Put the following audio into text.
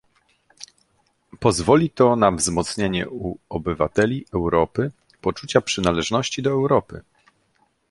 Pozwoli to na wzmocnienie u obywateli Europy poczucia przynależności do Europy